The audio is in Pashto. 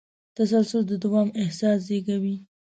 تسلسل د دوام احساس زېږوي.